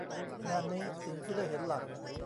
งานนี้สิ่งที่ได้เห็นหลัก